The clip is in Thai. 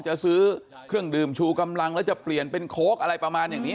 จะซื้อเครื่องดื่มชู่กำลังแล้วจะเปลี่ยนเขาอะไรประมาณแบบนี้